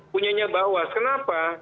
punyanya bahwas kenapa